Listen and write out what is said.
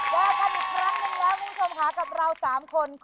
โหลดแล้วคุณราคาโหลดแล้วยัง